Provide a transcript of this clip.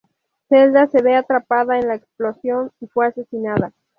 Zelda se ve atrapada en la explosión y fue asesinada.